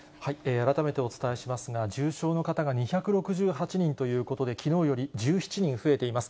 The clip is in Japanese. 改めてお伝えしますが、重症の方が２６８人ということで、きのうより１７人増えています。